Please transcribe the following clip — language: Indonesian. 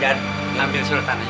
dan ambil suruh tanahnya